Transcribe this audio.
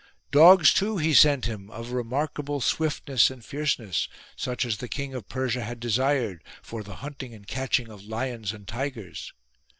Dogs too he sent him of remarkable swiftness and fierceness, such as the King of Persia had desired, for the hunting and catching of lions and tigers.